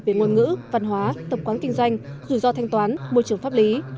về ngôn ngữ văn hóa tập quán kinh doanh rủi ro thanh toán môi trường pháp lý